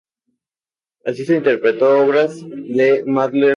Así se interpretaron obras de Mahler, Schönberg, Prokofiev, Webern, Eisler o Hindemith.